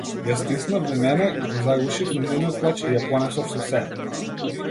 Ја стиснав во мене, го загушив нејзиниот плач и ја понесов со себе.